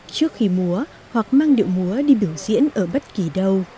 trước khi múa hoặc mang điệu múa đi biểu diễn ở bất kỳ đâu